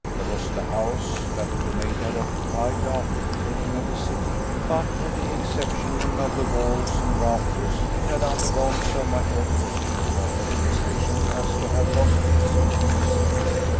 There was the house that the Maid had occupied after the taking of the city, but, with the exception of the walls and rafters, it had undergone so much alteration and modernisation as to have lost its interest.